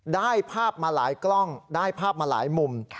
ได้ภาพมาหลายกล้องได้ภาพมาหลายมุม